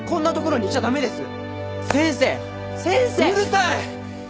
うるさい！